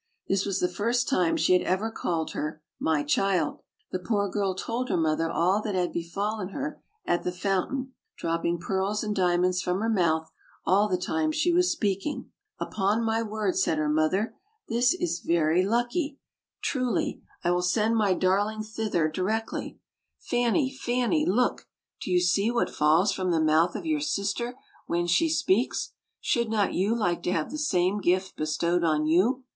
This was the first time she had ever called her "My child." The poor girl told her mother all that had be fallen her at the fountain, dropping pearls and diamonds from her mouth all the time she was speaking. "Upon my word," said her mother, "this is very lucky, So OLD, OLD FAIRY TALES. truly. I will send my darling thither directly. Fanny, Fanny! Look! Do you see what falls from the mouth of your sister when she speaks? Should not you like to have the same gift bestowed on you?